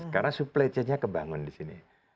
karena supply chainnya kebangun di sini